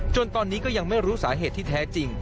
ตอนนี้ก็ยังไม่รู้สาเหตุที่แท้จริง